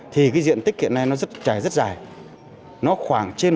thì cái diện tích hiện nay là cái diện tích mà chúng ta muốn tìm được các hải cốt liệt sĩ